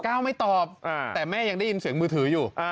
ไม่ตอบแต่แม่ยังได้ยินเสียงมือถืออยู่